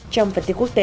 trong phần tiết quốc tế